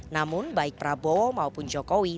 namun baik prabowo maupun jokowi